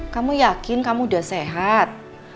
kamu yakin kamu udah sehat